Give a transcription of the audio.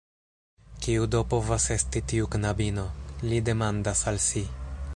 Kiu do povas esti tiu knabino? li demandas al si.